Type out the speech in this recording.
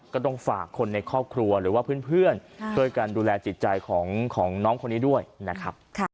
ก็ต้องฝากคนในครอบครัวหรือว่าเพื่อนช่วยกันดูแลจิตใจของน้องคนนี้ด้วยนะครับ